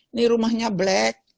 ini rumahnya black